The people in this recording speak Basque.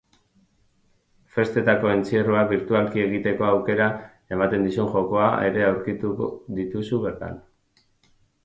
Festetako entzierroa birtualki egiteko aukera ematen dizun jokoa ere aurkituko dituzu bertan.